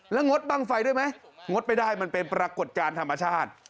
แล้วงดบ้างไฟด้วยไหมงดไม่ได้มันเป็นปรากฏการณ์ธรรมชาติ